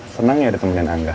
seneng ya ditemukan angga